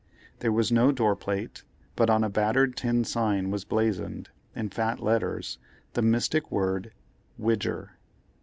There was no door plate, but on a battered tin sign was blazoned, in fat letters, the mystic word "Widger."